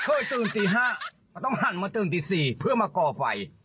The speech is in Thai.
เค้อตืนตรีห้ามะต้องหันมาตืนสี่เพื่อมาก้อไฟ